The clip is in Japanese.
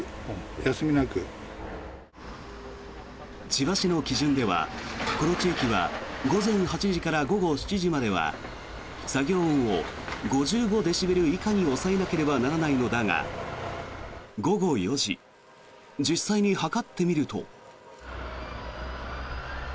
千葉市の基準では、この地域は午前８時から午後７時までは作業音を５５デシベル以下に抑えなければならないのだが午後４時実際に測ってみると。